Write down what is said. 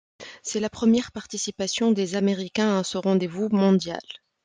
C'est la première participation des Américains à ce rendez-vous mondial.